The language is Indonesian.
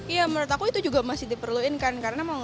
ya menurut aku itu juga masih diperluinkan karena mau gak mau